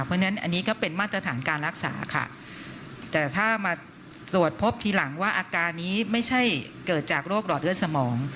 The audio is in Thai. เพราะฉะนั้นอันนี้ก็เป็นมาตรฐานการรักษาค่ะแต่ถ้ามาตรวจพบทีหลังว่าอาการนี้ไม่ใช่เกิดจากโรคหลอดเลือดสมอง